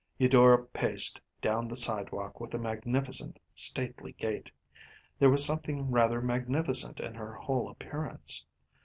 Eudora paced down the sidewalk with a magnificent, stately gait. There was something rather magnificent in her whole appearance.